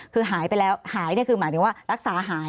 คือหายไปแล้วหายคือหมายถึงว่ารักษาหาย